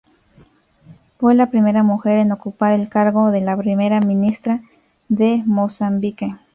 Fue la primera mujer en ocupar el cargo de Primera Ministra de Mozambique.